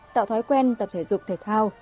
tạo thói quen tập thể dục thể thao